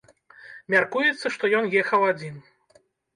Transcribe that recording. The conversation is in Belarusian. Мяркуецца, што ён ехаў адзін.